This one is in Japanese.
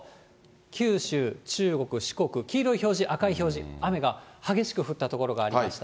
九州、中国、四国、黄色い表示、赤い表示、雨が激しく降った所がありました。